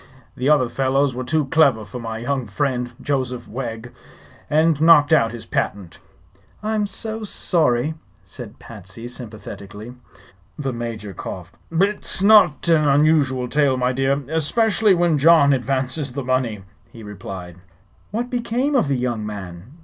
The other fellows were too clever for my young friend, Joseph Wegg, and knocked out his patent." "I'm so sorry!" said Patsy, sympathetically. The Major coughed. "It's not an unusual tale, my dear; especially when John advances the money," he replied. "What became of the young man?"